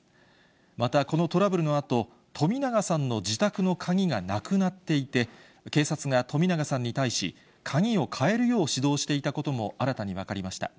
またこのトラブルのあと、冨永さんの自宅の鍵がなくなっていて、警察が冨永さんに対し、鍵を替えるよう指導していたことも新たに分かりました。